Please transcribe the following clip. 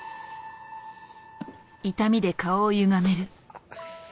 あっ。